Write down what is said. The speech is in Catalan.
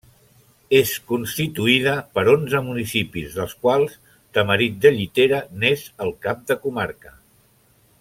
És constituïda per onze municipis, dels quals Tamarit de Llitera n'és el cap de comarca.